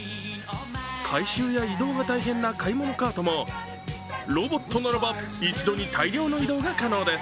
回収や移動が大変な買い物カートもロボットならば一度に大量の移動が可能です。